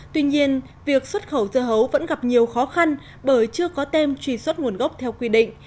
tuy nhiên việc xuất khẩu dưa hấu vẫn gặp nhiều khó khăn bởi chưa có tem truy xuất nguồn gốc theo quy định